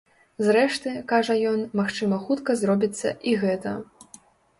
Зрэшты, кажа ён, магчыма хутка зробіцца і гэта.